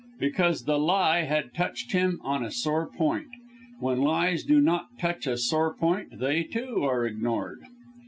Because the lie had touched him on a sore point. When lies do not touch a sore point, they, too, are ignored.